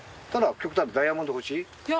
極端にダイヤモンド欲しい？